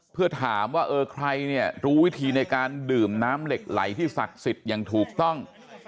เพื่อถามว่าเออใครเนี่ยรู้วิธีในการดื่มน้ำเหล็กไหลที่ศักดิ์สิทธิ์อย่างถูกต้อง